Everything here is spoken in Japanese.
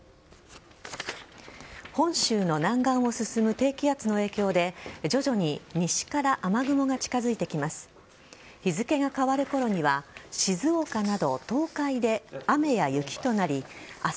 本州の南岸を進む低気圧の影響で徐々に西から雨雲が近づいてきます。